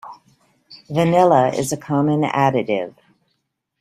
Vanilla is a common additive.